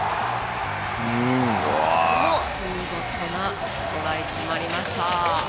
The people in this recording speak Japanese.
見事なトライ決まりました。